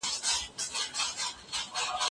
چېري خلګ خپلي غوښتنې په سوله ییز ډول مطرح کوي؟